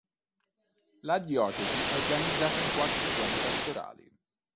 La diocesi è organizzata in quattro zone pastorali.